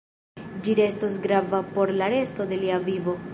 Ĝi restos grava por la resto de lia vivo.